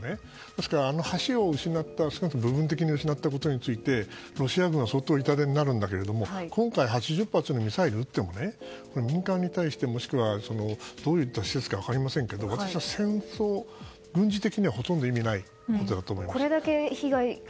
ですから橋を少なくとも部分的に失ったことについてロシア軍は相当な痛手になるんだけど今回８０発のミサイルを撃っても民間に対してもしくはどういった施設か分かりませんけど私は戦争、軍事的にはほとんど意味がないことだと思います。